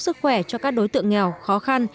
sức khỏe cho các đối tượng nghèo khó khăn